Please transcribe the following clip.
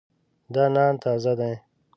دا نان تازه دی.